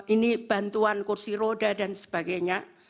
ini bantuan kursi roda dan sebagainya